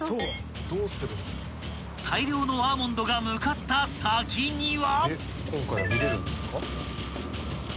［大量のアーモンドが向かった先には］